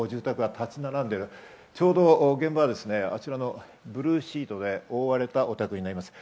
ちょうど現場はあちらのブルーシートで覆われたお宅になります。